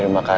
untuk k yu